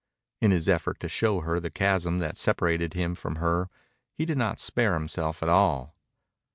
In his effort to show her the chasm that separated him from her he did not spare himself at all.